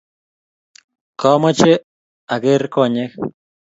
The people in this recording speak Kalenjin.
kamoche aker konyek .